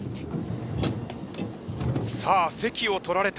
さあ席を取られた。